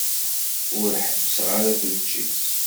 Ur ḥebbseɣ ara tuččit.